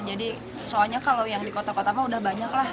jadi soalnya kalau yang di kota kota mah udah banyak lah